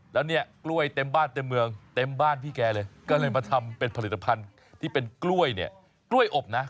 แล้วเนี่ยกล้วยเต็มบ้านเต็มเมืองเต็มบ้านพี่แกเลยก็เลยมาทำเป็นผลิตภัณฑ์ที่เป็นกล้วยเนี่ยกล้วยอบนะ